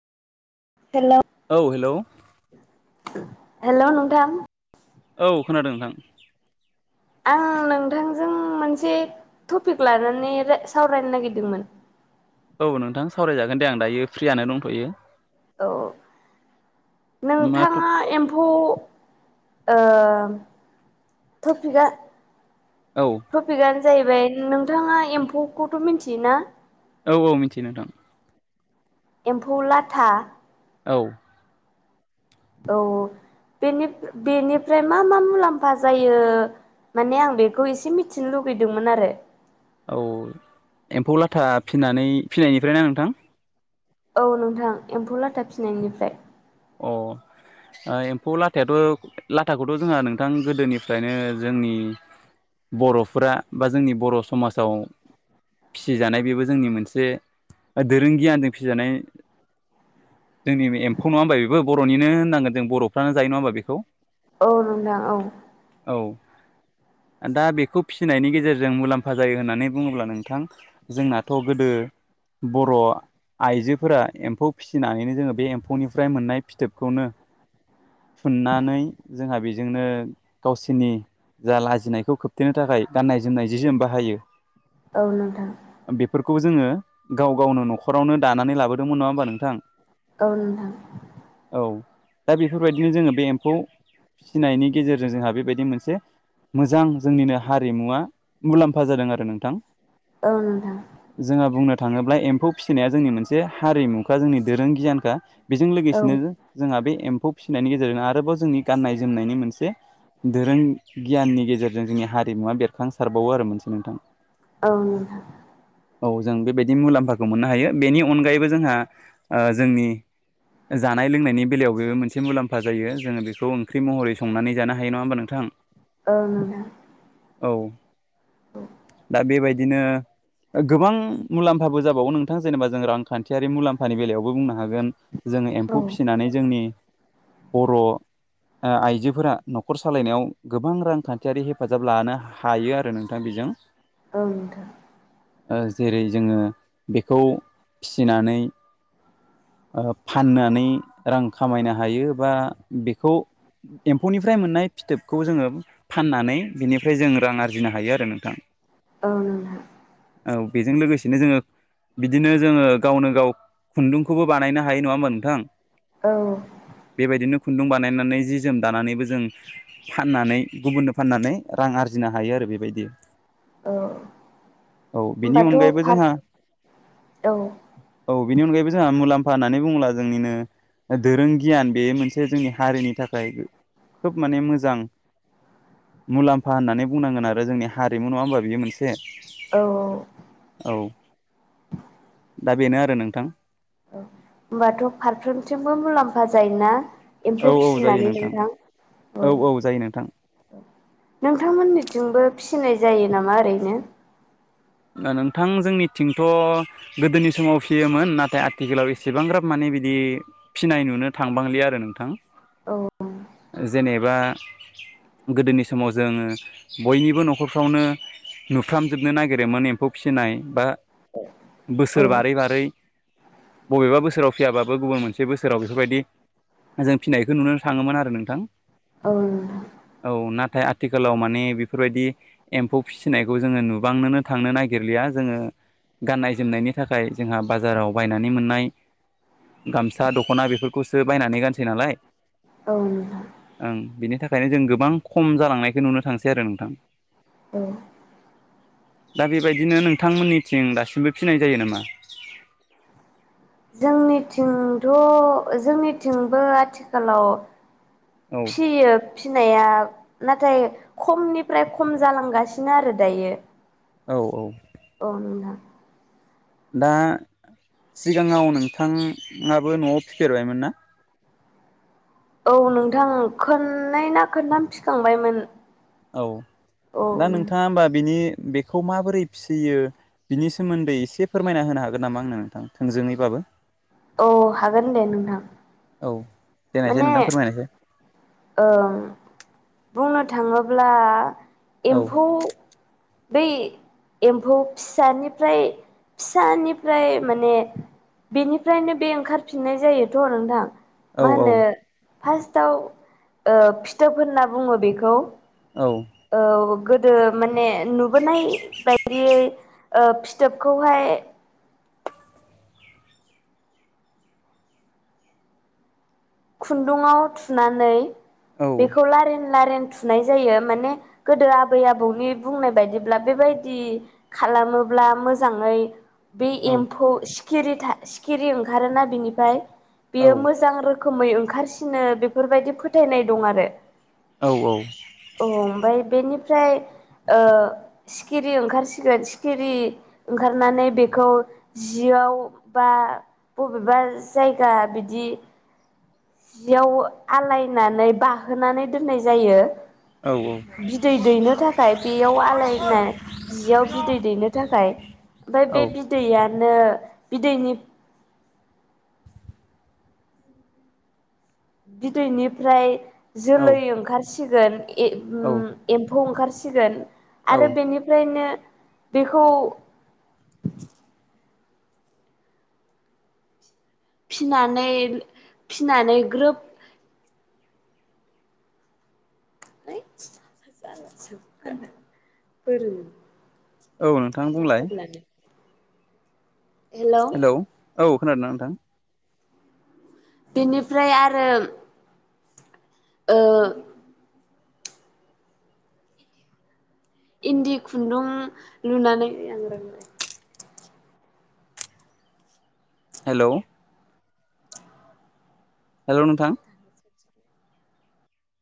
Hello औ hello hello नोंथां? औ खोनादों नोंथां। आं नोंथांजों मोनसे टपिक लानानै सावरायनो नागिरदोंमोन। औ नोंथां सावरायजागोन दे आं दायो फ्रियानो दंथ'यो। औ मा थ नोंथाङा एम्फौ ओ टपिकआ औ टपिकआनो जाहैबाय नोंथाङा एम्फौखौथ' मिथियोना? औ औ मिथियो नोंथां। एम्फौ लाथा। औ औ बेनि बेनिफ्राय मा मा मुलाम्फा जायो माने आं बेखौ एसे मिथिनो लुगैदोंमोन आरो। औ एम्फौ लाथा फिनानै फिनायनिफ्राय ना नोंथां? औ नोंथां एम्फौ लाथा फिनायनिफ्राय। अ ओ एम्फौ लाथायाथ' लाथाखौथ' जोंहा नोंथां गोदोनिफ्रायनो जोंनि बर'फोरा बा जोंनि बर' समाजाव‌ फिसिजानाय बेबो जोंनि मोनसे दोरों गियानजों फिसिजानाय जोंनिबो एम्फौ नङा होमबा बेबो बर'निनो होननांगोन जों बर'फ्रानो जायो नङा होमबा बेखौ? औ नोंथां औ। औ दा बेखौ फिसिनायनि गेजेरजों मुलाम्फा जायो होननानै बुङोब्ला नोंथां जोंनाथ' गोदो बर' आइजोफोरा एम्फौ फिसिनानैनो जोङो बे एम्फौनिफ्राय मोननाय फिथोबखौनो थुननानै जोंहा बेजोंनो गावसिनि जा लाजिनायखौ खोबथेनो थाखाय गान्नाय जोमनाय जि जोम बाहायो औ नोंथां। बेफोरखौ जोंङो गाव गावनो न'खरावनो दानानै लाबोदोंमोन नङा होमबा नोंथां? औ नोंथां। औ दा बेफोरबायदिनो जोंङो बे एम्फौ फिनायनि गेजेरजों जोंहा बेबायदि मोनसे मोजां जोंनिनो हारिमुवा मुलाम्फा जादों आरो नोंथां। औ नोंथां। जोंहा बुंनो थाङोब्ला एम्फौ फिसिनाया जोंनि मोनसे हारिमु बा जोंनि दोरों गियानखा बेजों औ लोगोसेनो जोंहा बे एम्फौ फिसिनायनि गेजेरजों आरोबाव जोंनि गाननाय जोमनायनि मोनसे धोरों गियाननि गेजेरजों जोंनि हारिमुवा बेरखांसारबावो आरो मोनसे नोंथां। औ नोंथां। औ जों बेबायदि मुलाम्फाखौ मोननो हायो बेनि अनगायैबो जोंहा ओ जोंनि जानाय लोंनाय नि बेलायाव बेबो मोनसे मुलाम्फा जायो जोङो बेखौ ओंख्रि महरै संनानै जानो हायो नङा होमबा नोंथां? ओं नोंथां। औ दा बेबायदिनो गोबां मुलाम्फाबो जाबावगोन नोंथां जेनोबा जों रांखान्थियारि मुलाम्फानि बेलायावबो बुंनो हागोन। जोङो औ नोंथां औ एम्फौ फिसिनानै जोंनि बर' ओ आइजोफोरा न'खर सालायनायाव गोबां रांखान्थियारि हेफाजाब लानो हायो आरो नोंथां बेजों। औ नोंथां। ओ जेरै जोङो बेखौ फिसिनानै ओ फाननानै रां खामायनो हायो बा बेखौ एम्फौनिफ्राय मोननाय फिथोबखौ जोङो फाननानै बिनिफ्राय जों रां आरजिनो हायो आरो नोंथां। औ नोंथां। औ बेजों लोगोसेनो जोङो बिदिनो जोङो गावनो गाव खुन्दुंखौबो बानायनो हायो नङा होमबा नोंथां? औ। बेबायदिनो खुन्दुं बानायनानै जि जोम दानानैबो जों फाननानै गुबुननो फाननानै रां आरजिनो हायो आरो बेबायदि। औ औ बेनि होमबाथ' अनगायैबो फार जोंहा औ औ बेनि अनगायैबो जोंहा मुलाम्फा होननानै बुङोब्ला जोंनिनो ओ दोरों गियान बे मोनसे जोंनि हारिनि थाखाय खोब माने मोजां मुलाम्फा होननानै बुंनांगोन आरो जोंनि हारिमु नङा होनबा बियो मोनसे? औ औ। औ दा बेनो आरो नोंथां। औ होनोमबाथ' फारफ्रोमथिंबो मुलाम्फा जायोना औ एम्फौ औ जायो फिसिनानै नोंथां? औ। औ, नोंथांमोननिथिंबो फिनाय जायो नामा ओरैनो? नो नोंथां जोंनिथिंथ' गोदोनि समाव फियोमोन नाथाय आथिखालाव एसेबांग्राब माने बिदि फिनाय नुनो थांबांलि आरो नोंथां। औ जेनोबा गोदोनि समाव जोङो बयनिबो न'खरफ्रावनो नुफ्रामजोबनो नागि रोमोन मोन एम्फौ फिसिनाय बा औ बोसोर बारै बारै बबेबा बोसोराव फियाबाबो गुबुन मोनसे बोसोराव बेफोरबायदि जों फिनायखौ नुनो थाङोमोन आरो नोंथां। औ नोंथां। औ नाथाय आथिखालाव माने बेफोरबायदि एम्फौ फिसिनायखौ जोङो नुबांनोनो थांनो नागिरलिया जोङो गाननाय जोमनायनि थाखाय जोंहा बाजाराव बायनानै मोननाय गामसा दख'ना बेफोरखौसो बायनानै गानसै नालाय। औ [unintelligible] ओं बिनि थाखायनो जों गोबां खम जालांनायखौ नुनो थांसै आरो नोंथां। औ दा बेबायदिनो नोंथांमोननिथिं दासिमबो फिनाय जायो नामा जोंनिथिंथ' जोंनिथिंबो आथिखालाव औ फियो। फिनाया नाथाय खमनिफ्राय खम जालांगासिनो आरो दायो औ औ। औ नोंथां दा सिगाङाव नोंथाङाबो न'आव फिफेरबायमोन ना औ नोंथां खोननै ना खोनथाम फिखांबायमोन औ औ दा नोंथाङा होमबा बिनि बेखौ माबोरै फिसियो बिनि सोमोन्दै एसे फोरमायना होनो हागोन नामा आंनो नोंथां थोंजोङै बाबो औ हागोन दे नोंथां औ देनायसाय माने नोंथां फोरमायनायसाय। ओं बुंनो थाङोब्ला औ एम्फौ बै एम्फौ फिसानिफ्राय फिसानिफ्राय माने बेनिफ्रायनो बे ओंखारफिननाय जायोथ' नोंथां औ मा औ होनो फास्ताव ओ फिथोब होनना बुङो बेखौ। औ औ गोदो माने नुबोनाय बायदियै ओ फिथोबखौहाय खुन्दुङाव थुनानै औ बेखौ लारिन लारिन थु नाय जायो माने गोदो आबै आबौनि बुंनाय बायदिब्ला बेबायदि खालामोब्ला मोजाङै बि औ एम्फौ सिखिरि था सिखिरि ओंखारोना बिनिफ्राय औ बेयो मोजां र रोखोमै ओंखारसिनो बेफोरबायदि फोथायनाय दं आरो औ औ औ ओमफ्राय बेनिफ्राय ओ सिखिरि ओंखारसिगोन सिखिरि ओंखारनानै बेखौ जियाव बा बबेबा जायगा बिदि जियाव आलायनानै बाहोनानै दोननाय जायो औ औ बिदै दैनो थाखाय बेयाव आलायनाय जियाव बिदै दैनो थाखाय ओमफ्राय बे बिदैयानो बिदैनि बिदैनिफ्राय जोलै ओंखारसिगोन औ ए एम्फौ ओंखारसिगोन औ आरो बेनिफ्रायनो बेखौ फिनानै फिनानै ग्रोब [unintelligible] औ नोंथां बुंलाय है हेलौ औ औ खोनादोंना नोंथां बिनिफ्राय आरो ओ इन्दि खुन्दुं लुनानै ऐ आं रोंला हेलौ हेलौ नोंथां